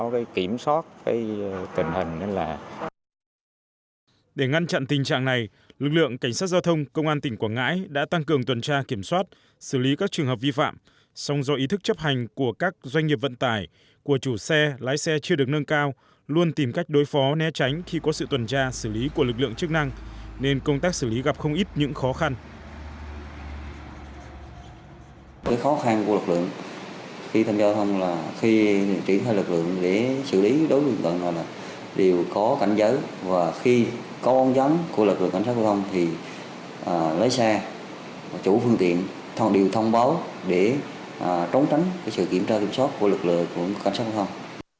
điện thoại lực lượng để xử lý đối tượng đều có cảnh giới và khi có ôn giám của lực lượng cảnh sát giao thông thì lấy xe chủ phương tiện đều thông báo để trống tránh sự kiểm tra kiểm soát của lực lượng cảnh sát giao thông